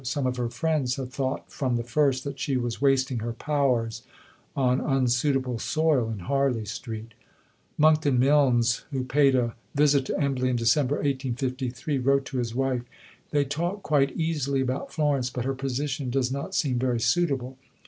Some of her friends had thought from the first that she was wasting her powers on unsuitable soil in Harley Street. Monckton Milnes, who paid a visit to Embley in December 1853, wrote to his wife: "They talk quite easily about Florence, but her position does not seem very suitable.